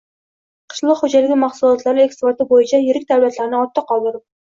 Qishloq xo‘jaligi mahsulotlari eksporti bo‘yicha yirik davlatlarni ortda qoldirib